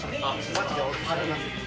マジで頼みます。